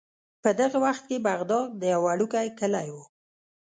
په دغه وخت کې بغداد یو وړوکی کلی و.